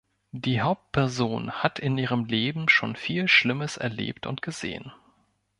Die Hauptperson hat in ihrem Leben schon viel Schlimmes erlebt und gesehen.